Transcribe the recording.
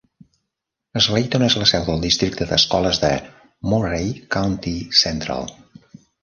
Slayton és la seu del districte d'escoles de Murray County Central.